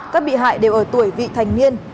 các bị hại đều ở tuổi vị thành niên